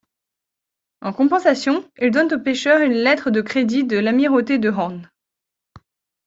En compensation, il donne au pêcheur une lettre de crédit de l’amirauté de Hoorn.